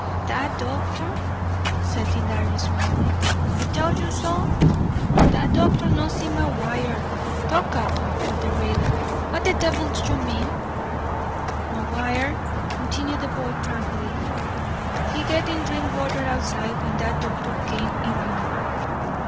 "That doctor," said Ylario, smiling, "he tell you so? That doctor no see McGuire." "Talk up," ordered Raidler. "What the devil do you mean?" "McGuire," continued the boy tranquilly, "he getting drink water outside when that doctor come in room.